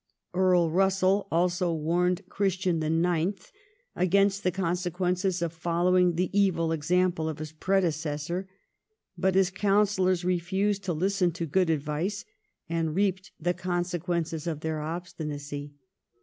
Earl Russell also warned Chris tian IX. against the consequences of following the evil example of his predecessor ; but his counsellors refused to listen to good advice, and reaped the consequences of their obstinacy.